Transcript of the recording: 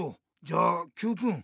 じゃあＱくん